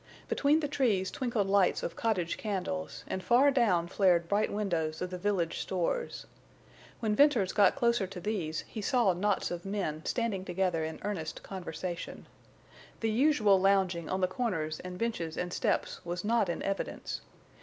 Between the trees twinkled lights of cottage candles, and far down flared bright windows of the village stores. When Venters got closer to these he saw knots of men standing together in earnest conversation. The usual lounging on the corners and benches and steps was not in evidence.